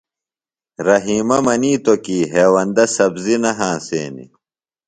رحیمہ منِیتوۡ کی ہیوندہ سبزیۡ نہ ہنسینیۡ۔